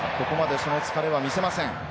ここまでその疲れは見せません。